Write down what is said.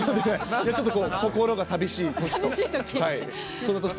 ちょっとこう、心が寂しいときと。